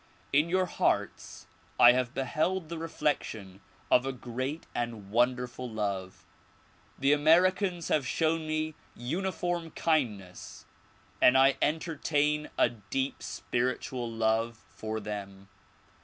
In your hearts I have beheld the reflection of a great and won derful love. The Americans have shown me uniform kindness and I entertain a deep spiritual love for them.